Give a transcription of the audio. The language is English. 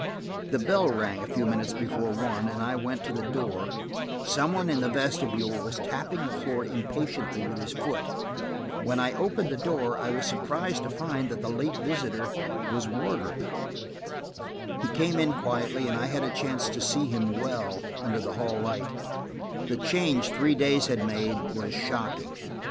The bell rang a few minutes before one, and I went to the door; some one in the vestibule was tapping the floor impatiently with his foot. When I opened the door; I was surprised to find that the late visitor was Wardrop. He came in quietly, and I had a chance to see him well, under the hall light; the change three days had made was shocking.